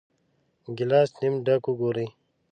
ګیلاس نیم ډک وګورئ.